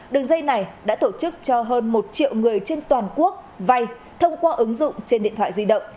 đường dây này đã tổ chức cho hơn một triệu người trên toàn quốc vay thông qua ứng dụng trên điện thoại di động